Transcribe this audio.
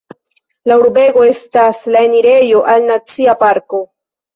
La urbego estas la enirejo al Nacia Parko.